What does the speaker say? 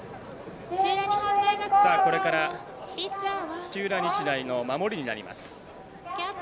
これから土浦日大の守りになります。